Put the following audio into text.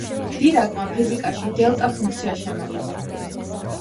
დირაკმა ფიზიკაში დელტა–ფუნქცია შემოიღო.